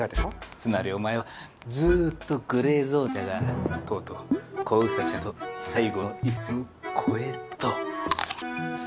つまりお前はずっとグレーゾーンにいたがとうとう子ウサギちゃんと最後の一線を越えたと。